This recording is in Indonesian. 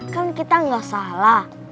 kan kita nggak salah